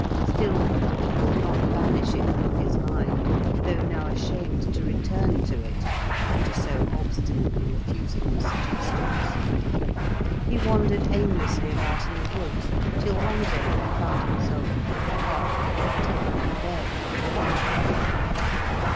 Still, he could not banish it from his mind, though now ashamed to return to it after so obstinately refusing all suggestions. He wandered aimlessly about in the woods, till one day he found himself in the path that led to Heron Bay.